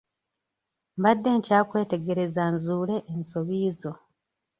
Mbadde nkyakwetegereza nzuule ensobi zo.